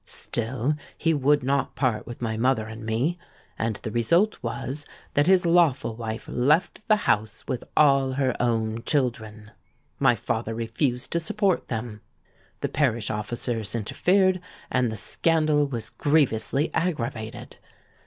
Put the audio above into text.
Still he would not part with my mother and me; and the result was that his lawful wife left the house with all her own children. My father refused to support them; the parish officers interfered; and the scandal was grievously aggravated.